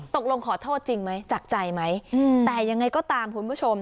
ขอโทษจริงไหมจากใจไหมแต่ยังไงก็ตามคุณผู้ชม